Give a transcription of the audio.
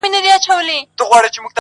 په یوه جرګه کي ناست وه مروروه.!